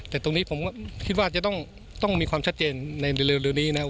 แต่ตรงนี้ผมก็คิดว่าจะต้องมีความชัดเจนในเร็วนี้นะครับ